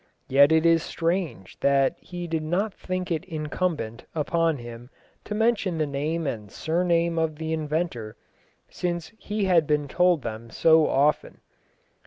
Yet it is strange that he did not think it incumbent upon him to mention the name and surname of the inventor, since he had been told them so often.